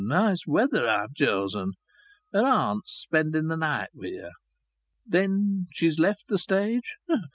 And nice weather I've chosen! Her aunt's spending the night wi' her." "Then she's left the stage."